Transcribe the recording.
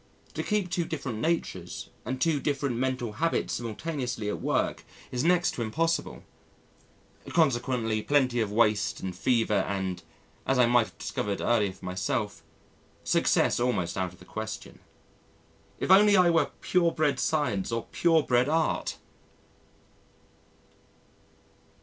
To keep two different natures and two different mental habits simultaneously at work is next to impossible. Consequently plenty of waste and fever and as I might have discovered earlier for myself success almost out of the question. If only I were pure bred science or pure bred art!